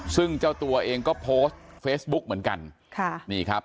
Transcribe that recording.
ซึ่งเจ้าตัวเองก็โพสต์เฟซบุ๊กเหมือนกันค่ะนี่ครับ